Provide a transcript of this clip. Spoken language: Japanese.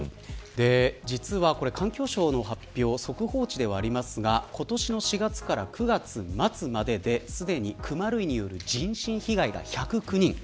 実は、これ環境省の発表速報値ではありますが今年の４月から９月末までですでにクマ類による人身被害が１０９人。